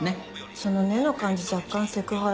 その「ねっ」の感じ若干セクハラ。